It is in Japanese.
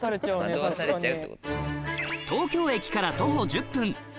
東京駅から徒歩１０分